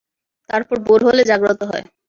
তারপর ভোর হলে জাগ্রত হয়।